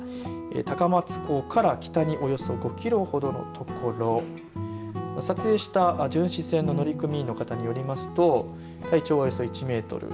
高松港から北におよそ５キロほどの所撮影した巡視船の乗組員の方によりますと体長は、およそ１メートル。